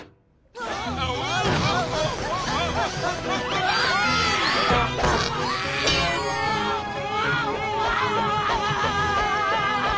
うわ。